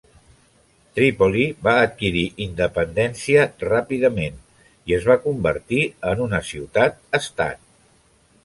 Trípoli, va adquirir independència ràpidament i es va convertir en una ciutat estat.